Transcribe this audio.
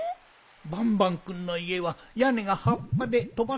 バンバンくんのいえはやねがはっぱでとばされやすいからね。